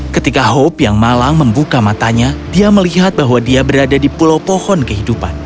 ketika hope yang malang membuka matanya dia melihat bahwa dia berada di pulau pohon kehidupan